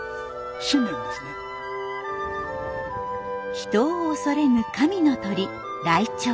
人を恐れぬ「神の鳥」ライチョウ。